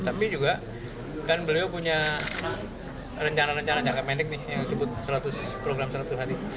tapi juga kan beliau punya rencana rencana jangka pendek nih yang disebut seratus program seratus hari